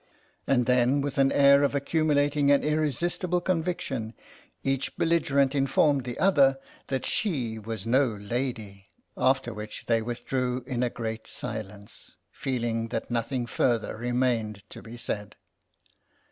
And then, with an air of accumulating and irresistible conviction, each belligerent informed the other that she was no lady — after which they withdrew in a great silence, feeling that nothing further remained to be said.